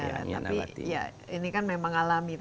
tapi ya ini kan memang alami